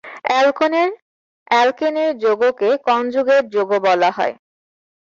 অ্যালকেনের যোগকে কনজুগেট যোগ বলা হয়।